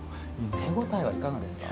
手応えはいかがですか？